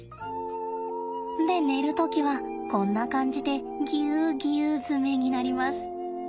で寝る時はこんな感じでぎゅうぎゅう詰めになります。